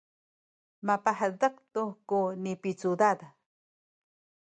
mapahezek tu ku nipicudad